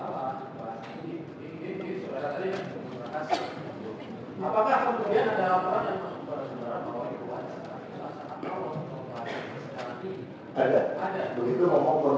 mata dipercayai berat berhubungan berat berhubungan